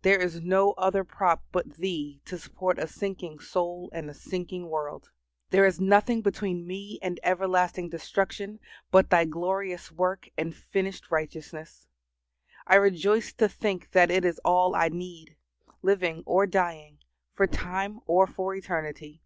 there is no other prop but Thee to support a sinking soul and a sinking world. There is nothing between me and everlasting destruction but Thy glorious work and finished righteousness. I rejoice to think that it is all I need living or dying, for time or for eternity.